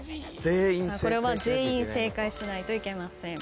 全員正解しないといけません。